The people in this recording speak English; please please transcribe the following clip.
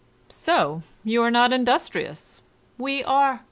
"So, you are not industrious. We are.